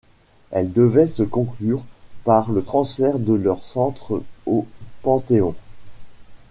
Elle devait se conclure par le transfert de leurs cendres au Panthéon.